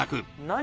何？